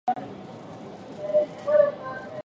君たちはどう生きるか。